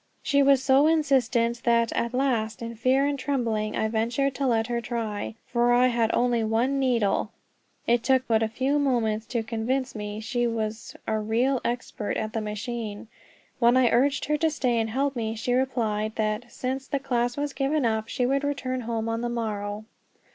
She was so insistent that at last, in fear and trembling, I ventured to let her try for I had only one needle. It took but a few moments to convince me she was a real expert at the machine. When I urged her to stay and help me, she replied that, since the class was given up, she would return home on the morrow.